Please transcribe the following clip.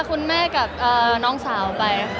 คุณแม่กับน้องสาวไปค่ะ